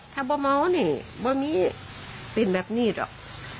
ถ้าบ่เมานี่บ่มีเป็นแบบนี้หรอก